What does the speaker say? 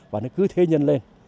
và nó cứ thế nhân lên